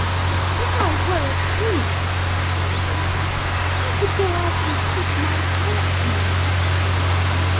'If I were a prince,' said the Princess, 'I could go out and seek my fortune.'